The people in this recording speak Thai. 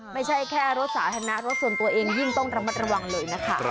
ไม่ใช่แค่รถสาธารณะรถส่วนตัวเองยิ่งต้องระมัดระวังเลยนะคะ